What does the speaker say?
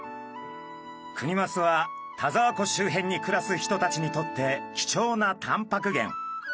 クニマスは田沢湖周辺に暮らす人たちにとって貴重なタンパク源。